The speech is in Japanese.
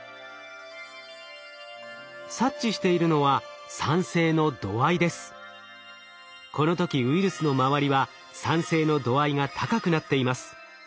察知しているのはこの時ウイルスの周りは酸性の度合いが高くなっています。